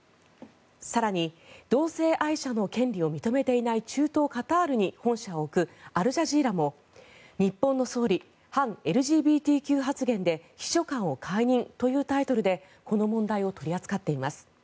更に同性愛者の権利を認めていない中東カタールに本社を置くアルジャジーラも「日本の総理反ＬＧＢＴＱ発言で秘書官を解任」というタイトルでこの問題を取り扱っています。